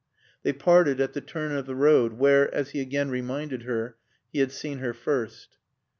They parted at the turn of the road, where, as he again reminded her, he had seen her first.